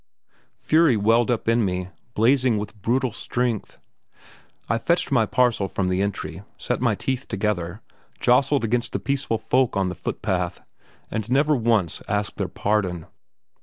Fury welled up in me, blazing with brutal strength. I fetched my parcel from the entry, set my teeth together, jostled against the peaceful folk on the footpath, and never once asked their pardon.